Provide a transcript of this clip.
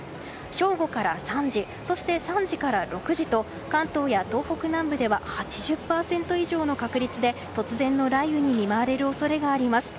正午から３時そして３時から６時と関東や東北南部では８０％以上の確率で突然の雷雨に見舞われる恐れがあります。